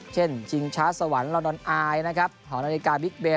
เช่นจิงชะสวรรค์ลอนดอนอายหรือหอนาฬิกาบิ๊กเบย์